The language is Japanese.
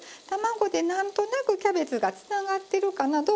卵でなんとなくキャベツがつながってるかな？